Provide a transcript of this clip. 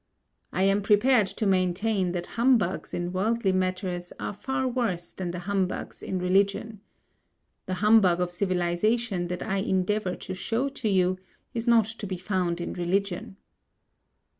I am prepared to maintain that humbugs in worldly matters are far worse than the humbugs in religion. The humbug of civilization that I endeavour to show to you is not to be found in religion.